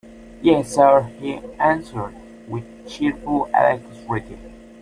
Yes, sir, he answered, with cheerful alacrity.